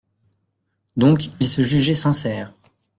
Donc il se jugeait sincère.